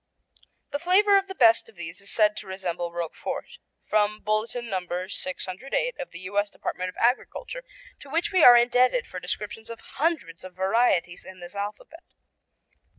The flavor of the best of these is said to resemble Roquefort. (From Bulletin No. 608 of the U.S. Department of Agriculture, to which we are indebted for descriptions of hundreds of varieties in this alphabet.)